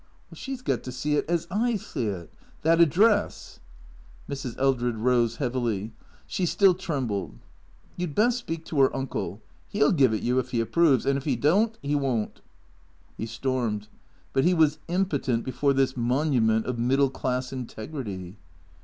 " She 's got to see it as I see it. That address ?" Mrs, Eldred rose heavily. She still trembled. " You 'd best speak to her uncle. 'E '11 give it you if 'e approves. And if 'e does n't 'e won't." He stormed. But he was impotent before this monument of middle class integrity.